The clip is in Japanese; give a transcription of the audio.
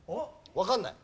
わかんない？